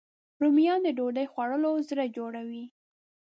رومیان د ډوډۍ خوړلو زړه جوړوي